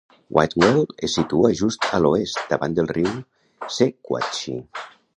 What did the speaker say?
Whitwell es situa just a l'oest, davant del riu Sequatchie.